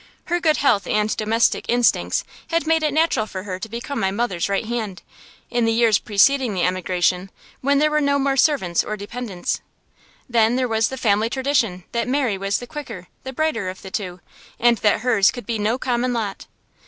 Her good health and domestic instincts had made it natural for her to become my mother's right hand, in the years preceding the emigration, when there were no more servants or dependents. Then there was the family tradition that Mary was the quicker, the brighter of the two, and that hers could be no common lot.